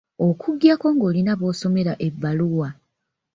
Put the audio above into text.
Okuggyako ng'olina b'osomera ebbaluwa.